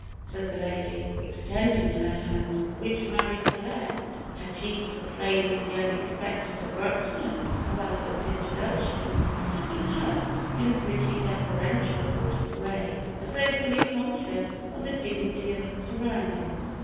said the lady, extending her hand, which Marie Celeste, her cheeks aflame with the unexpected abruptness of Albert's introduction, took in hers, in a pretty deferential sort of way, as though fully conscious of the dignity of her surroundings.